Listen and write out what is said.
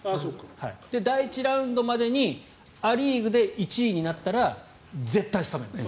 第１ラウンドまでにア・リーグで１位になったら絶対スタメンです。